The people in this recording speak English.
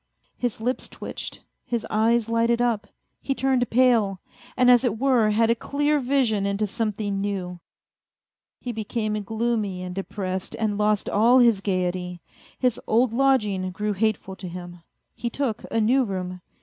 His lips twitched, his eyes lighted up, he turned pale, and as it were had a clear vision into something new. A FAINT HEART 199 He became gloomy and depressed, and lost all his gaiety. His old lodging grew hateful to him he took a new room.